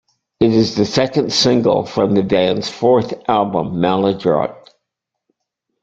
It is the second single from the band's fourth album, "Maladroit".